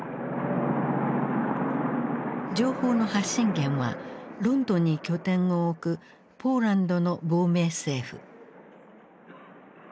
情報の発信源はロンドンに拠点を置くポーランドの亡命政府。